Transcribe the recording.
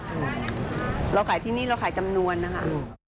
เพราะลูกค้ามาเยอะขายจำนวนค่ะ